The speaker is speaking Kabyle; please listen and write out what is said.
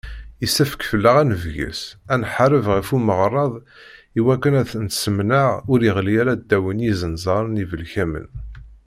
Yessefk fell-aɣ ad nebges, ad nḥareb ɣef umeɣrad iwakken ad t-nessemneɛ ur iɣelli ara ddaw n yizenẓaren ibelkamen.